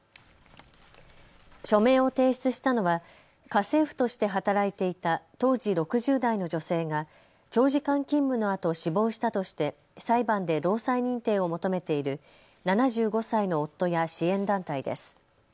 署名を提出したのは家政婦として働いていた当時６０代の女性が長時間勤務のあと死亡したとして裁判で労災認定を求めている７５歳の夫や支援団体です。